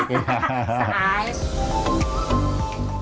masa dia masak